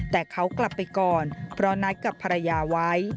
แต่เขากลับไปก่อนเพราะนัดกับภรรยาไว้